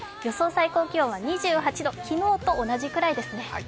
最高気温は２８度、昨日と同じくらいですね。